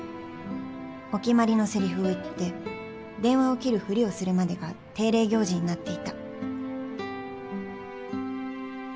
お決まりのせりふを言って電話を切るふりをするまでが定例行事になっていた